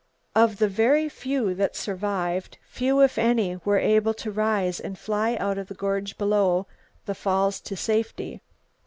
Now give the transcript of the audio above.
Of the very few that survived, few if any were able to rise and fly out of the gorge below the Falls to safety.